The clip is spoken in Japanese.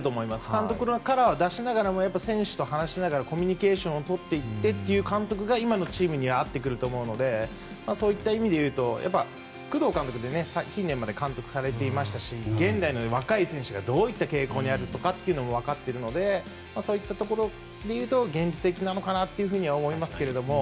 監督のカラーを出しながらも選手と話しながらコミュニケーションをとっていくという監督が今のチームには合ってくると思うのでそういった意味でいうと工藤監督って近年まで監督をされてましたし現代の若い選手がどういった傾向にあるかというのも分かっているのでそういったところでいうと現実的なのかなとは思いますけれども。